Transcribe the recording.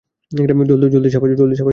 জলদি, সাবাস - ঠিকাছে।